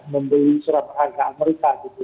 membeli surat harga amerika gitu